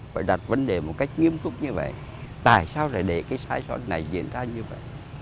phải đặt vấn đề một cách nghiêm túc như vậy tại sao lại để cái sai soạn này diễn ra như vậy